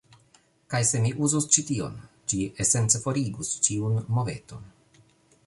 Kaj se mi uzus ĉi tion, ĝi esence forigus ĉiun moveton